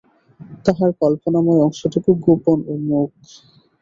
তাহার কল্পনাময় অংশটুকু গোপন ও মূক।